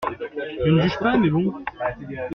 Je ne juge pas, mais bon.